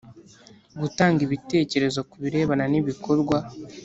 Gutanga ibitekerezo kubirebana n ibikorwa